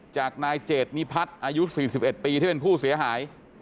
จากนายเจดนิพัฒน์อายุ๔๑ปีที่เป็นผู้เสียหาย